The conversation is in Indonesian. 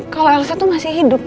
kalau elsa itu masih hidup